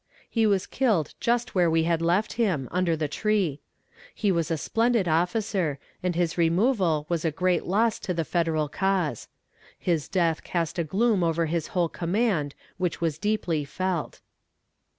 He was killed just where we had left him, under the tree. He was a splendid officer, and his removal was a great loss to the Federal cause. His death cast a gloom over his whole command which was deeply felt.